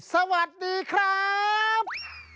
สวัสดีครับ